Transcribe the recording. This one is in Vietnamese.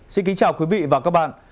xin kính chào quý vị và các bạn